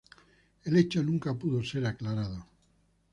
El hecho nunca pudo ser aclarado.